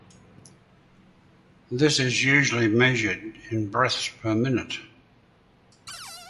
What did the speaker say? This is usually measured in breaths per minute.